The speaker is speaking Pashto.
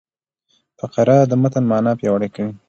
فقره د متن مانا پیاوړې کوي.